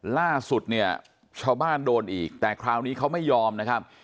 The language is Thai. ล่าสุดเนี่ยชาวบ้านโดนอีกแต่คราวนี้เขาไม่ยอมนะครับ